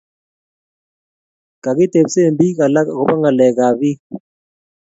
kakitepsen piik alak akopo ngalek kab peek